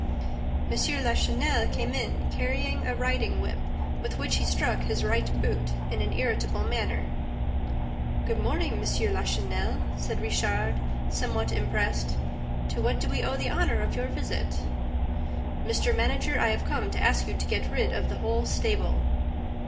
M. Lachenel came in, carrying a riding whip, with which he struck his right boot in an irritable manner. "Good morning, M. Lachenel," said Richard, somewhat impressed. "To what do we owe the honor of your visit?" "Mr. Manager, I have come to ask you to get rid of the whole stable."